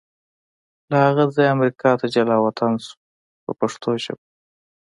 له هغه ځایه امریکا ته جلا وطن شو په پښتو ژبه.